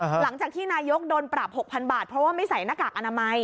หลังจากที่นายกโดนปรับ๖๐๐๐บาทเพราะว่าไม่ใส่หน้ากากอนามัย